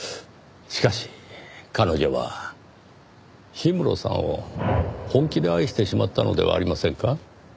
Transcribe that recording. しかし彼女は氷室さんを本気で愛してしまったのではありませんか？